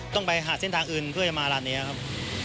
ต้องไปหาเส้นทางอื่นเพื่อจะมาร้านนี้ครับ